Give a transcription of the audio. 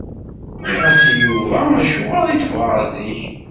Nniɣ-as i Yuba acuɣer i d-ffɣeɣ zik.